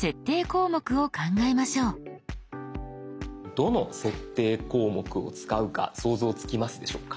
どの設定項目を使うか想像つきますでしょうか？